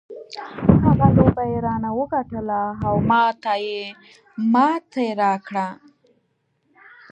هغه لوبه یې رانه وګټله او ما ته یې ماتې راکړه.